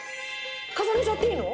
重ねちゃっていいの？